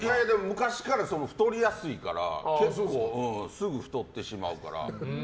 昔から太りやすいから結構、すぐ太ってしまうから。